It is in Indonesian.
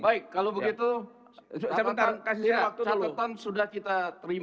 baik kalau begitu catatan sudah kita terima